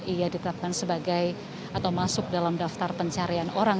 ia ditetapkan sebagai atau masuk dalam daftar pencarian orang